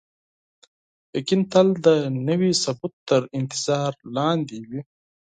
یقین تل د نوي ثبوت تر انتظار لاندې وي.